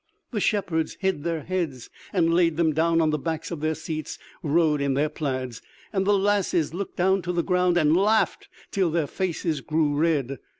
The shepherds hid their heads, and laid them down on the backs of their seats rowed in their plaids, and the lasses looked down to the ground and laughed till their faces grew red.